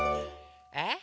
えっ？